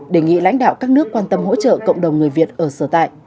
đề nghị lãnh đạo các nước quan tâm hỗ trợ cộng đồng người việt ở sở tại